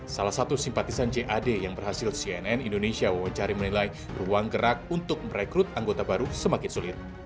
salah satu simpatisan jad yang berhasil cnn indonesia wawancari menilai ruang gerak untuk merekrut anggota baru semakin sulit